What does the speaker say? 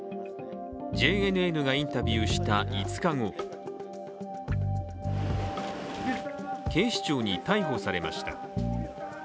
ＪＮＮがインタビューした５日後警視庁に逮捕されました。